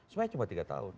sebenarnya cuma tiga tahun